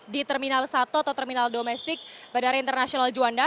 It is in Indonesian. di terminal satu atau terminal domestik bandara internasional juanda